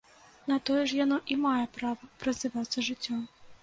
На тое ж яно і мае права празывацца жыццём.